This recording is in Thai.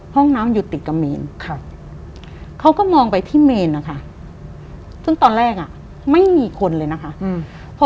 ห้องน้ำอยู่ติดกับเมนครับเขาก็มองไปที่เมนนะคะซึ่งตอนแรกอ่ะไม่มีคนเลยนะคะอืม